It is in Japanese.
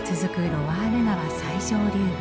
ロワール川最上流部。